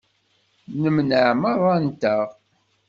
Nemneɛ merra-nteɣ.